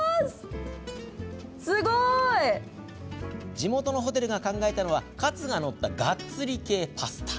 地元のホテルが考えたのはカツが載ったがっつり系パスタ。